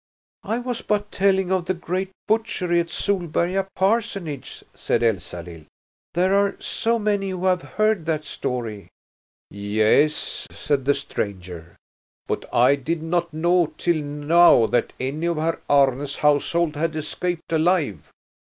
"I was but telling of the great butchery at Solberga parsonage," said Elsalill. "There are so many who have heard that story." "Yes," said the stranger, "but I did not know till now that any of Herr Arne's household had escaped alive."